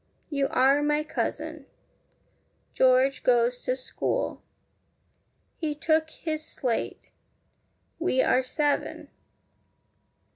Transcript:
You are my cousin. George goes to school. He took his slate. We are seven.